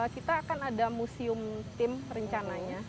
kita akan ada museum tim rencananya